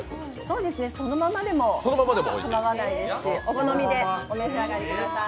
そうですね、そのままでも構わないですしお好みでお召し上がりください。